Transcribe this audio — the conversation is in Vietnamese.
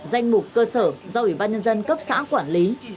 và quy định danh mục cơ sở do ủy ban nhân dân cấp xã quản lý